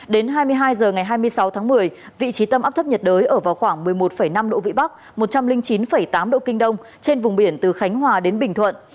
đến hai mươi hai h ngày hai mươi sáu tháng một mươi vị trí tâm áp thấp nhiệt đới ở vào khoảng một mươi một năm độ vĩ bắc một trăm linh chín tám độ kinh đông trên vùng biển từ khánh hòa đến bình thuận